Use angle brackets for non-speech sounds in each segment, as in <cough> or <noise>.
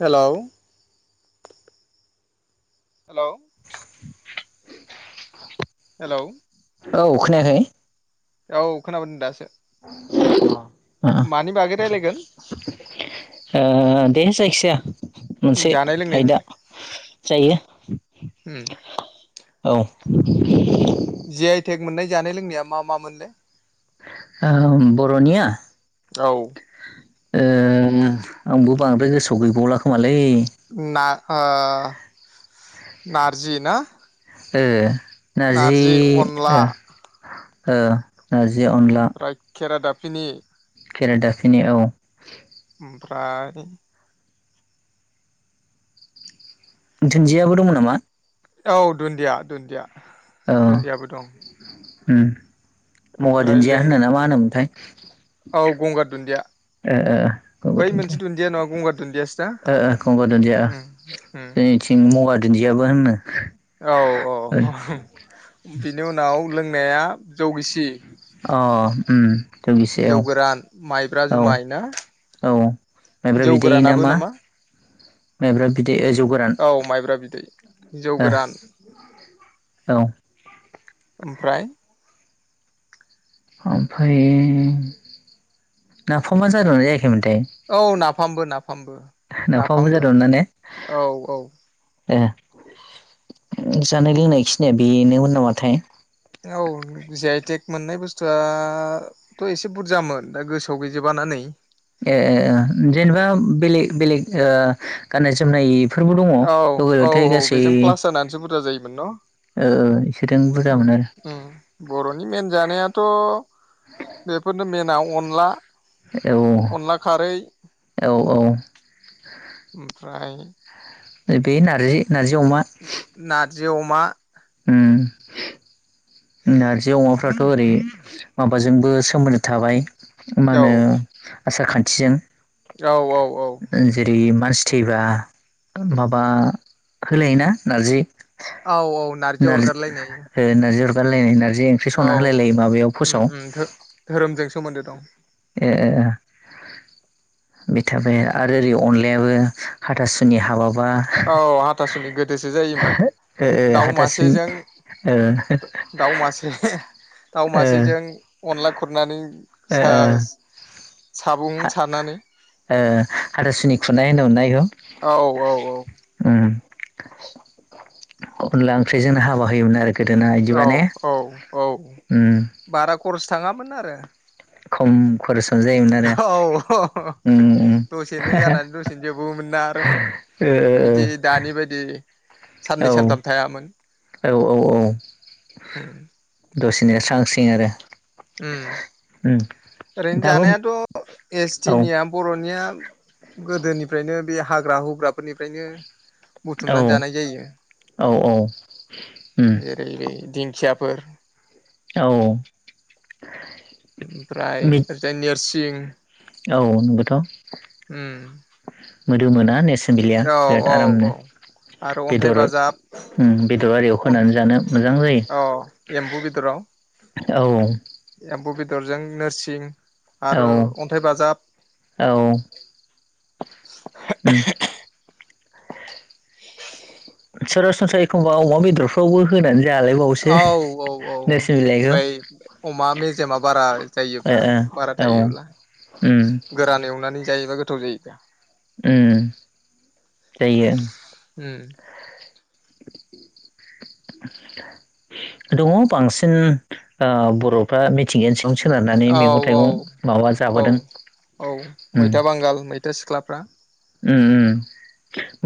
हेल'। Hello. <unintelligible> Hello. औ खोनाखै? औ खोनादों दासो। मानि बागै रायलायगोन <unintelligible> ओ दे जायखिया मोनसे जानाय लोंनायनि आयदा जायो। उम औ। जि आइ टेक मोननाय जानाय लोंनाया मा मा मोनलाय? ओ बर'निया औ ओ आंबो बांद्राय गोसोआव गैबावला खोमा। लै आ नारजि ना? ए। नारजि ओ। ओ। नारजि अनला खिनि खेरा दाफिनि औ। ओमफ्राय दुन्दियाबो दंमोन नामा। औ दुन्दिया दुन्दिया औ दुन्दियाबो दं। उम मगा ओमफ्राय दुन्दिया लों होनो ना मा होनोमोनथाय औ गंगार दुन्दिया। ओ ओ गंगार बै दुन्दिया मोनसे नङा गंगार दुन्दियासो ना ओ ओ गंगार दुन्दिया ओ उम उम जोंनिथिं मगा दुन्दियाबो होनो। औ औ बिनि उनाव लों नाया जौगिसि अ उम। लोगोसे जौ औ गोरान माइब्रा औ जुमाय ना औ माइब्रा जौ बिदै ना गोरानाबो मा नामा माइब्रा बिदै जौ गोरान औ माइब्रा बिदै जौ ओ गोरान। औ ओमफ्राय ओमफ्राय नाफमा जादों ना जाया औ नाफामबो नाफामबो नाफामबो औ औ ए जानाय लोंनाय खिनिया बेनोमोन नामाथाय औ जि आइ टेक मोननाय बुस्थुआथ' एसे बुरजामोन दा गोसोआव गैजोबा ना नै ए ए ए जेनेबा बेलेग बेलेग ओ गाननाय जोमनाय औ औ औ बेजों प्लास जानानैसो बुरजा जायोमोन न ओ इसोरजों उम बुरजामोन उम बर'नि मेन जानाया थ' बेफोरनो मेना अनला आरो अनला खारै औ औ औ ओमफ्राय बे नारजि नारजि अमा जि अमा उम नारजि अमाफ्राथ' ओरै माबाजोंबो सोमोन्दो थाबाय औ मानो आसार खान्थिजों औ औ औ जेरै मानसि थैबा माबा होलायोना नारजि औ औ नारजि अरगारलायनाय गार लायनाय नारज जि ओंख्रि संना औ होलायलायो माबायाव उम फसाव उम धो-धोरोमजों सोमोन्दो दं ए ए ए बे थाबाय आरो ओरै अनलायाबो हाथासुनि हाबाब। औ हाथासुनि गोदोसो जायोमोन ओ दाउ हाथासुनि ओ मासेजों ओ दाउ मासे। दाउ ओ ओ मासेजों अनला खुरनानै सा साबुं सानानै हाथासुनि खुरनाय होनो अनाय। <unintelligible> औ औ औ। अनला ओंख्रिजोंनो हाबा होयोमोन ना? औ औ औ उम बारा खरस थाङामोन आरो। खम खरस औ उम दसेनो जानानै दसेनो जोबोमोनना आरो बिदि उम दानि बायदि। ओ साननै ओ औ सानथाम थायामोन। औ औ औ। उम दसेनो स्रां स्रिं आरो। ओम। उम ओरैनो दाबो जानायाथ' एस औ टि निया बर'निया गोदोनिफ्रायनो बे हाग्रा हुग्राफोरनिफ्रायनो। बुथुमनानै औ-औ-औ। <inaudible> जेरैै दि दिं खियाफोर औ-औ ओमफ्राय ओरैजाय नेरस थिं औ नंगोथ' मोदोमा नेस सोन बिलिया औ बिराद औ आरामनो औ आरो अन्थाइ बेदर बाजाब ओम बेदर आरियाव अन होनानै जानो मोजां औ एम्बु बेदराव जायो औ दरजों नोरसिं औ आरो अन्थाइ बाजाब <inaudible> औ ओम‌ सरासनस्रा एखमबा अमा बेदरफ्रावबो होनानै। जालायबावोसो औ-औ-औ नेरसोन बिलाइखौ बै अमा मेजेमा बारा ओ जायोब्ला बारा औ थायोब्ला उम गोरान एवनानै। जायो बा गोथाव जायो बा। ओम जायो। उम दङ बांसिन ओ बर'फ्रा मिथिंगानि सायावनो सो औ औ औ औ उम मैथा बांगाल मैथा सिख्लाफ्रा ओम ओम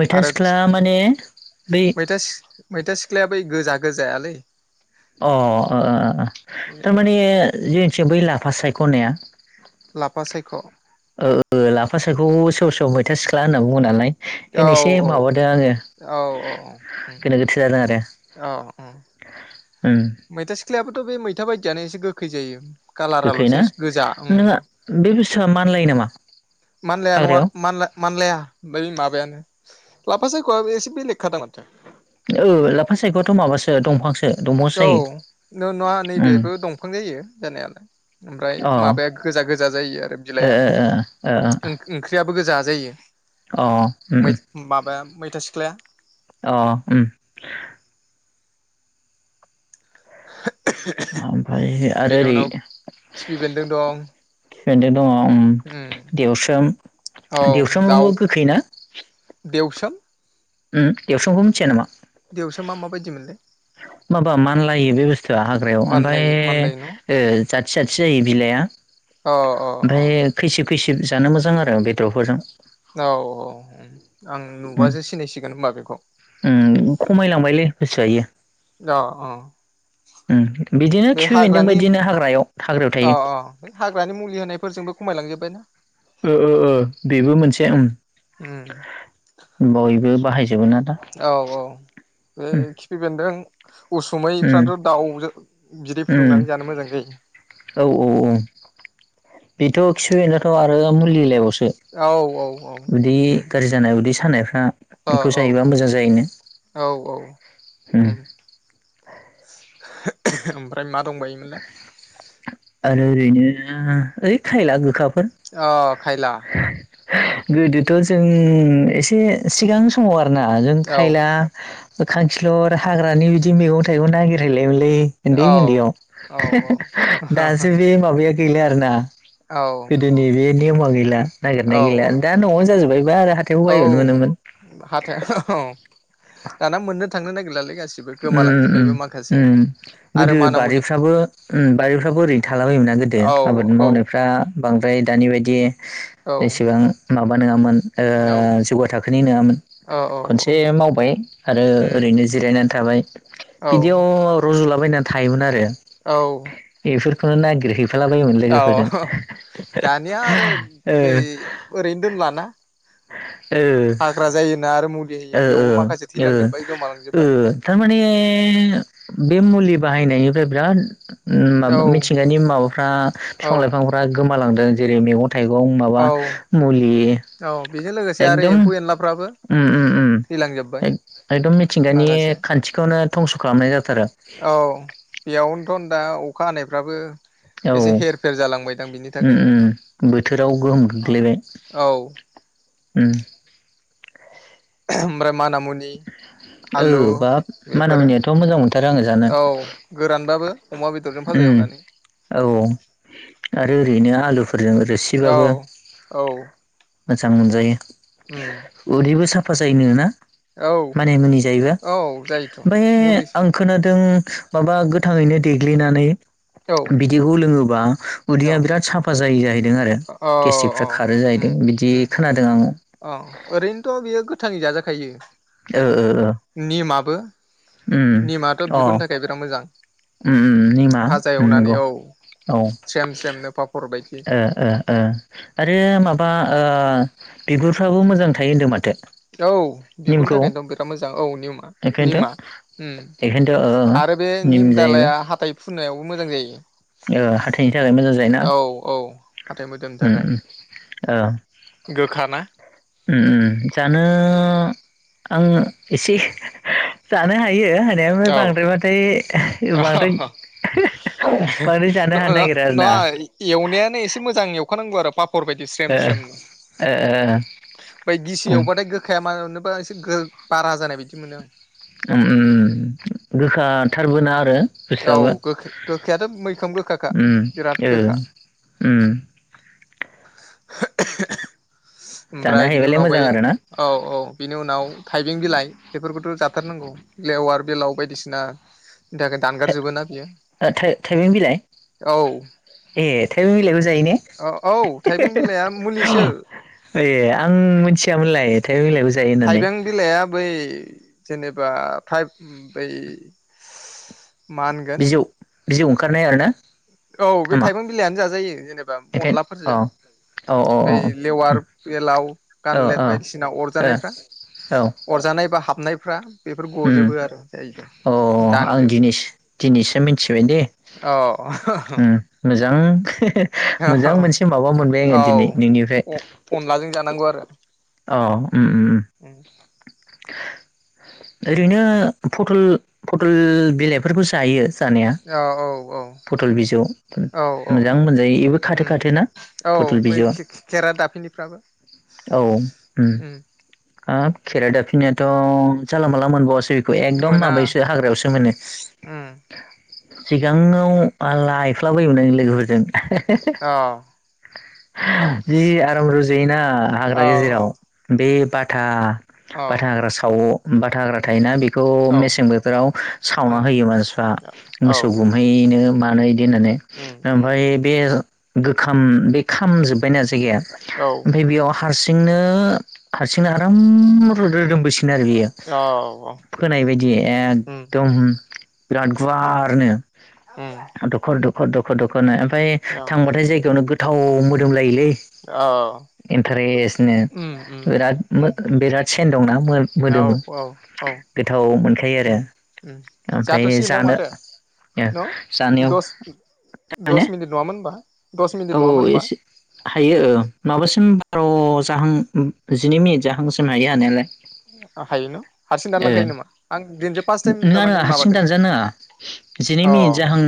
मैथा आरो सिख्ला माने बै मैथा मैथा सिख्लाया बै गोजा गोजायालै अ ओ ओं ओ ओ थारमाने जे से बै लाफा सायख'नाया लाफा सायख' ओ ओ लाफा सायख'खौ सोरबा सोरबा मैथा सिख्ला होनना बुङो नालाय। खेनेसे औ माबादों आङो औ औ गोनो गोथो जादों आरो औ ओं उम मैथा सिख्लायाबोथ' बे मैथा बायद दियानो एसे गोखै जायो। गोखै कालाराल'सो ना एसे गोजा ओम नोंहा बे बुस्थुआ मानलायो नामा मानलाया नङा हाग्रायाव मानला मानलाया बै माबायानो लाफा सायख'आ एसे बेलेखा दा ओ लाफा सायखआथ' माबासो दंफांसो दंफां औ नों ना नैबेहबो दंफां जायो जानायालाय। ओमफ्राय अ ओ माबाया गोजा गोजा जायो आरो ओ बिलाइआ ओ ओं-ओंख्रियाबो गोजा जायो। ओ अ उम मोज माबाया मैथा सिख्लाया अ ओम ओमफ्राय आरो बेनि ओरै उनाव बेन्दों दं खिफि बेनदों दङ। ओम देवस्रोम औ देवस्रोमाबो गोखै ना? थाम ओम देवस्रोमखौ मिथिया नामा? देवस्रोमा मा माबादि मोनलाय? माबा मानलायो बे बुस्थुआ हाग्रायाव ओमफ्राय मानलायो मानलायो न' ओ जात जाथि जायो बिलाइआ अ अ अ बेसेन जानो मोजां आरो बे औ औ ओम। आं उम नुबासो सिनायसिगोन होनोमबा बेखौ। होसोआयो अ अ उम बिदिनो बे खिफि बेन्दों हाग्रानि बायदिनो हाग्रायाव हाग्रायाव अ थायो अ बे हाग्रानि मुलि होनायफोरजोंबो खमायलांजोब बाय ना ओ ओ बेबो मोनसे उम। बयबो बाहाय औ औ बे उम खिफि बेन्दों <inaudible> उम उसुमैफ्राथ' दाउ'जो बिदै उम फुदुंनानै जानो मोजां जायो। थ' खिफि बेनदोंआथ' आरो मुलिलायबावसो। औ औ। औ बिदि गाज्रि जानाय उदै सानायफ्रा औ बेखौ जायोबा मोजां जायो नो। औ उम औ ओमफ्राय मा दंबायोमोनलाय आरो ओरैनो ओम यै खायला गोखा अ खायला गोदोथ' जों एसे सिगां समाव नाजों औ खायला खांखिलर हाग्रानि बिदि मैगं थाइगं नागिरहैलाय लै इन्दै औ इन्दैयाव। औ <unintelligible> दासो बि मा बे गैलिया आरो ना। औ गोदोनि बे नेमा गैला। नागिरनाय औ गैलाया दा न'आव जाजोबबायबा आरो हाथायाव बायनो औ मोनोमोन। हाथा औ दाना मोननो थांनो नागिरलालै गासिबो उम उम गोमालांजोब्बायबो माखासे उम आरो गोदो माना मुनि बारिफ्राबो उम बारिफ्राबो ओरैनो थालाबायोमोन ना गोदो औ आबाद औ मावनायफ्रा बांद्राय दानि बायदि औ इसेबां माबा नङामोन ओ औ जौगा थाखोनि नङामोन। औ औ खनसे मावबाय आरो उम ओरैनो जिरायनानै थाबाय औ बिदियाव रज'ला बायनानै थायोमोन आरो औ। थ' नागिरहै औ दानिया आरो ओ बै ओरैनो दोनलाना। ओ हाग्रा जायोना आरो। मुलि होयो ओ ओ बेयावबो माखासे ओ थैलांजोब्बाय ओ गोमालांजोब्बाय थारमाने बे मुलि बाहायनायनिफ्राय बिराद ओम औ माबा मिथिंगानि माबाफ्रा औ बिफां लाइफांफ्रा गोम मालांदों जेरै मेगं थाइगं माबा औ मुलि औ बेजों लोगोसे आरो एकदम एम्फौ एनलाफ्राबो ओम ओम। थैलांजोबबाय एकदम मिथिंगानि माखासे खान्थिखौ नो थंस' खालामनाय जाथारो। थ' दा अखा हानायफ्राबो औ एसे हेर फेर जालांबायदां बिनि उम थाखायनोथन उम बोथोराव गोहोम औ गोग्लैबाय औ उम। ओमफ्राय मानामु ओ बाब मान बेफोरो मुनियाथ' मोजां मोनथारो आङो जानो औ गोरानबाबो अमा बेदरजों भाजा उम एवनानै औ औ आरो ओरैनो आलु फोरजों औ रोसिबाबो औ मोजां मोनजायो। उम उदैबो साब फा जायनो ना। औ मानि मनि जायोबा औ जायोथ' ओमफ्राय मुलि आं खोना दों माबा गोथांङैनो देग्लिनानै औ बिदैखौ लोंङोबा औ उदैया बिराद साफा जायो आरो। आरो अ अ गेसटिकफ्रा खारो जाहैदों उम बिदि उम खोनादों आंङो। खायो। ओ ओ। निमाबो निमाथ' ओ उम अ बिगुरनि थाखाय बिराद मोजां। उम उम निमा भाजा उम एवनानै नंगौ औ औ। स्रेम स्रेमनो पापर बायदि ओ ओ ओ आरो माबा ओ बिगुरफ्राबो मोजां थायो होनदों माथो। औ बिगुरनि निमखौ थाखायनोथ' बिराद मोजां औ निउमा निमा बेखायनोथ' उम बेखायनोथ' ओ ओ आरो बे निम जायोबा दालाया हाथाइ फुनायावबो मोजां जायो। ओ हाथायनि थाखाय मोजां जायोना औ औ हाथाइ मोदोमनि उम थाखाय उम‌ ओ। गोखा ना उम उम जानो आंङो एसे जानो हायो। हायो हानाया ओमफ्राय औ बांद्रायबाथाय बांद्राय बांद्राय जानो हानो नागिरा आरो ना। नङा खौ नांगौ आरो फाफ फर बायायदि स्रेम स्रेमनो ओ ओ ओमफ्राय ओ उम गिसिवबाथाय गोखाया मा बा एसे गो बारा जानाय बायदि मोनो आं उम उम उम गोखााथारबो ना आरो। औ बुस्थुआबो गो गोखायाथ' मैखोम गोखा खा उम बिराद ओ गोखा उम <inaudible> जानो ओमफ्राय बिनि हायोबालाय उनाव बै मोजां आरो ना औ औ बिनि उनाव थाइबें बिलाइ बेफोरखौथ' जाब हाथारनांगौ लेवार बेलाव बायदिसिनानि थाखाय दानगारजोबोना बियो थाइ ओ थाइबें बिलाइ औ ए थाइबें बिलाइबो जायो ने ओ औ थाइबें बिलाइआ मुलिसो ए आं <unintelligible> थाइबें बिलाइ खौ जायो होनानै। थाइबें बिलाइआ बै जेनेबा फाइ बै मा होनगोन। बिजौ बिजौ ओंखारनाय आरो ना। औ बे नामा थाइबें बिलाइयानो जाजायो जेनेबा बेखायनो अनलाफोरजों अ औ औ बै लेवार बेलाव औ गानलेद बायदिसिना औ अरजानायफ्रा औ अरजानायबा हाब खुरनायफ्रा अ आं दानजोबो दिनिसो मिथिबाय दे। औ मोजां मोजां औ मोनसे माबा मोनबाय औ आङो दिनै नोंनिफ्राय औ। उम ओरैनो फटल फटल बिलाइफोरखौ जायो। जानाया औ औ पटल बिजौ औ औ मोजां मोनजायो बेबो औ खाथो खाथो ना औ पटल बै बिजौआ खेरा दाफिनिफ्राबो औ उम खेरादा फिनि थ' जानला माला मोनबावासै खौ एदम मोना माबसो हाग्रायावसो मोनो। उम सिगाङाव आ लाहायफ्लाबोयोमोन नों लोगोफोरजों औ जि आराम रजयोना। औ हाग्रा गेजेराव औ बे बाथा। औ बाथा हाग्रा सावो। बाथा हाग्रा थाया बे औ मेसें बोथोराव सावना उम होयो मानसिफ्रा औ मोसौ गुमहैनो मानाय बिदि होननानै उम उम ओमफ्राय बे गोखाम बे खामजोब्बायना जायगाया औ ओमफ्राय बेयाव हारसिंनो हारसिंनो आराम रोदोमसि बिनो आरो बियो औ औ फोनाय उम बायदि एकदम बिराद उम उम गुवारनो दखर दख दखर दखरनो ओमफ्राय औ थांबाथाय जायगायावनो गोथाव मोदोम लायोलै। औ <inaudible> सेन उम उम उम दंङ ना? औ मोदोमो औ औ गोथाव मोनखायो उम उम आरो जाथ'सिगोनदां जानो माथो न' जानायाव दस दस मिनिट नङामोन होनबा दस मिनिट औ नङामोन औ होनबा हायो माबासिम। एगार जाहां जिनै मिनिट जाहांसिम हायो हानायालाय। हायो न' हारसिं दानलांखायो नामा आं दिनैसो फार्स्ट टाइम नंङा थारमाने नंङा हारसिं माबादों दानजा नाङा जिनै अ मिनिट जाहां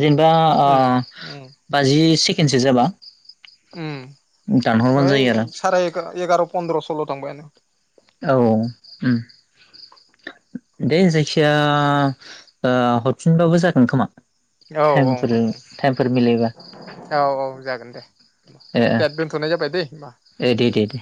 जेनेबा उम उम बाजि सेकेण्ड। केनसेल जाबा। उम औ। ओइ साराय एगार एगार पन्द्रसो। सल्ल थांबायानो। औ दे जायखिया हरफिनबाबो जागोन खोमा। औ टाइमफोर टाइमफोर मिलायबा। औ औ जागोन दे ए दे दोनथ'नाय जाबाय दै होमबा ए दे दे दे।